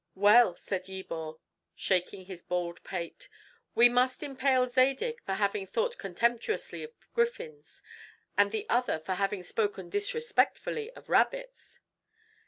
"Well," said Yebor, shaking his bald pate, "we must impale Zadig for having thought contemptuously of griffins, and the other for having spoken disrespectfully of rabbits."